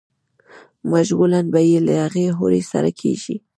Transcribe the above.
مشغولا به ئې له هغې حورې سره کيږي